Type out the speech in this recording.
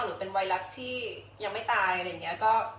หรือเป็นไวรัสที่ยังไม่ตายอะไรอย่างนี้